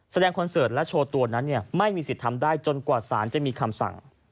คอนเสิร์ตและโชว์ตัวนั้นไม่มีสิทธิ์ทำได้จนกว่าสารจะมีคำสั่ง